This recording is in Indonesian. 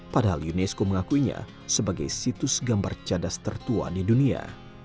padahal unesco mengakuinya sebagai situs gambar cadas tertua di dunia